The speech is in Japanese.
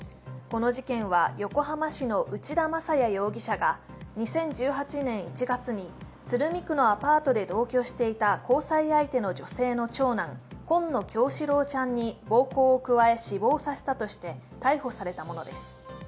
この事件は横浜市の内田正也容疑者が２０１８年１月に鶴見区のアパートで同居していた交際相手の女性の長男、紺野叶志郎ちゃんに暴行を加え死亡させたとして逮捕されたものです。